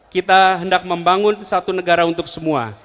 kita hendak membangun satu negara untuk semua